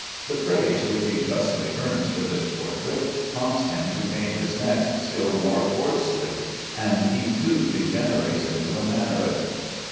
The praise which he justly earns for this portrait prompts him to paint his next still more coarsely, and he too degenerates into a mannerist.